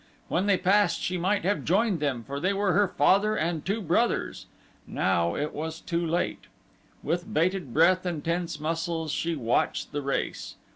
When they passed she might have joined them, for they were her father and two brothers. Now it was too late. With bated breath and tense muscles she watched the race.